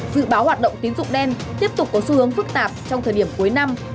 dự báo hoạt động tín dụng đen tiếp tục có xu hướng phức tạp trong thời điểm cuối năm